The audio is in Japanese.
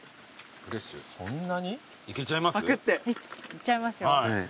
いっちゃいますよ？